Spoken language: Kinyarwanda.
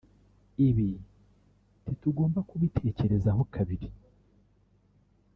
Ibi ntitugomba kubitekerezaho kabiri